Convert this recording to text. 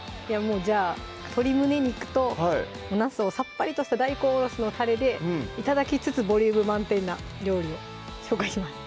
じゃあ鶏胸肉となすをさっぱりとした大根おろしのたれで頂きつつボリューム満点な料理を紹介します